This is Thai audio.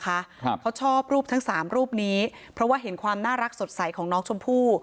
ครับเขาชอบรูปทั้งสามรูปนี้เพราะว่าเห็นความน่ารักสดใสของน้องชมพู่